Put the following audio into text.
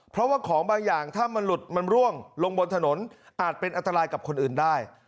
เพราะว่าของบางอย่างถ้ามันหลุดมันร่วงลงบนถนนอาจเป็นอันตรายกับคนอื่นได้